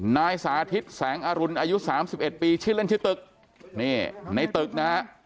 นายสาธิตแสงอรุณอายุสามสิบเอ็ดปีชื่อเล่นชื่อตึกนี่ในตึกนะฮะ